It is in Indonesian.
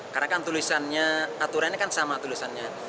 karena kan tulisannya aturan kan sama tulisannya